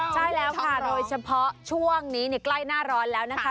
ใช่แล้วค่ะโดยเฉพาะช่วงนี้ใกล้หน้าร้อนแล้วนะคะ